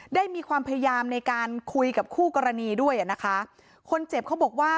ได้มีความพยายามในการคุยกับคู่กรณีด้วยอ่ะนะคะคนเจ็บเขาบอกว่า